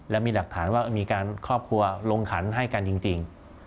และมีหลักฐานว่ามีการครอบครัวลงขันให้กันจริง